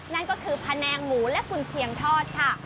นั่นก็คือแผนงหมูและกุญเชียงทอดค่ะ